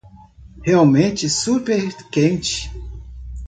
Realmente super quente